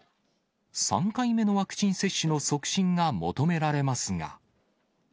３回目のワクチン接種の促進が求められますが。